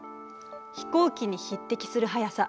飛行機に匹敵する速さ。